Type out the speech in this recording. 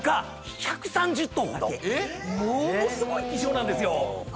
ものすごい希少なんですよ。